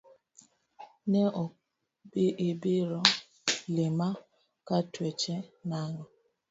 Ne ok ibiro lima katuech nango?